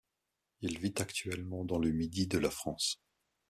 Il vit actuellement dans le Midi de la France.